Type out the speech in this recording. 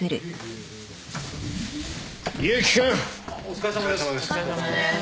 お疲れさまです。